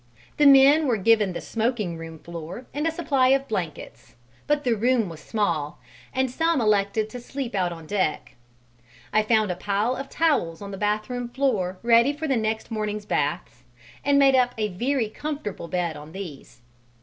The men were given the smoking room floor and a supply of blankets, but the room was small, and some elected to sleep out on deck. I found a pile of towels on the bathroom floor ready for next morning's baths, and made up a very comfortable bed on these.